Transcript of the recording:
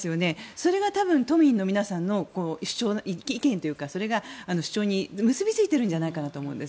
それが多分都民の皆さんの意見というかそれが主張に結びついてるんじゃないかなと思うんです。